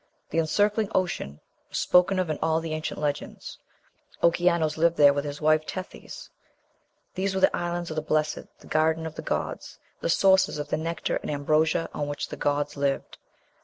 The encircling ocean "was spoken of in all the ancient legends. Okeanos lived there with his wife Tethys: these were the Islands of the Blessed, the garden of the gods, the sources of the nectar and ambrosia on which the gods lived."